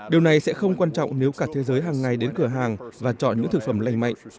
điều này sẽ không quan trọng nếu cả thế giới hàng ngày đến cửa hàng và chọn những thực phẩm lành mạnh